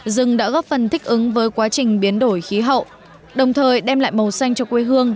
rừng đã góp phần thích ứng với quá trình biến đổi khí hậu đồng thời đem lại màu xanh cho quê hương